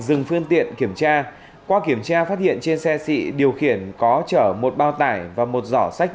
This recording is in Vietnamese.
dừng phương tiện kiểm tra qua kiểm tra phát hiện trên xe điều khiển có chở một bao tải và một giỏ sách